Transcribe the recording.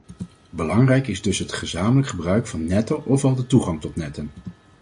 Belangrijk is dus het gezamenlijk gebruik van netten ofwel de toegang tot netten.